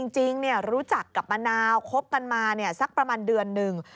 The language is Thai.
จริงรู้จักกับมะนาวคบกันมาสักประมาณเดือนหนึ่ง